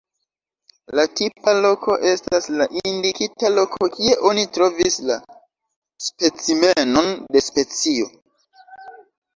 La tipa loko estas la indikita loko kie oni trovis la specimenon de specio.